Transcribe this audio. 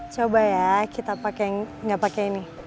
coba ya kita pakai yang gak pakai ini